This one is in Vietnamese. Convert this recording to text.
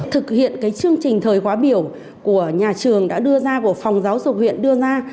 thực hiện chương trình thời khóa biểu của nhà trường đã đưa ra của phòng giáo dục huyện đưa ra